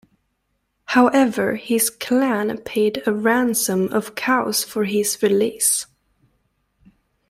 However his clan paid a ransom of cows for his release.